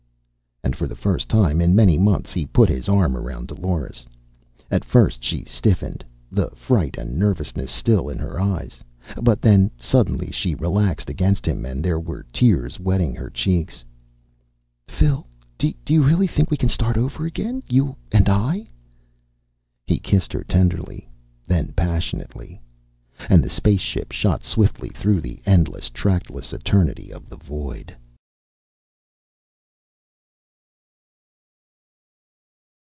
And for the first time in many months he put his arm around Dolores. At first she stiffened, the fright and nervousness still in her eyes. But then suddenly she relaxed against him and there were tears wetting her cheeks. "Phil ... do you really think we can start over again you and I?" He kissed her tenderly, then passionately. And the spaceship shot swiftly through the endless, trackless eternity of the void....